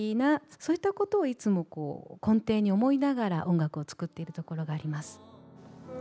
そういったことをいつも根底に思いながら音楽を作っているところがあります。